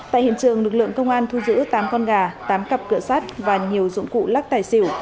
tại hiện trường lực lượng công an thu giữ tám con gà tám cặp cửa sắt và nhiều dụng cụ lắc tài xỉu